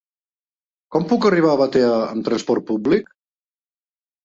Com puc arribar a Batea amb trasport públic?